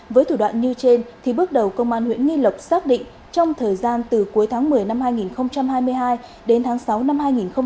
với thủ đoạn như trên thì bước đầu công an huyện nghi lộc xác định trong thời gian từ cuối tháng một mươi năm hai nghìn hai mươi hai đến tháng sáu năm hai nghìn hai mươi ba